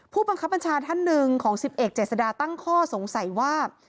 ผู้บังคับบัญชาท่านหนึ่งของสิบเอกเจษดาตั้งข้อสงสัยว่า